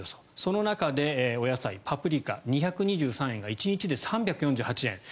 その中でお野菜パプリカ、２２３円が１日で３４８円。